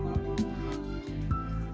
untuk batik cetak